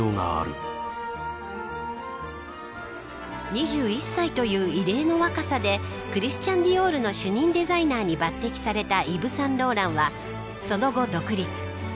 ２１歳という異例の若さでクリスチャン・ディオールの主任デザイナーに抜擢されたイヴ・サンローランはその後独立。